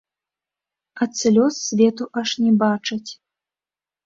Ад слёз свету аж не бачаць.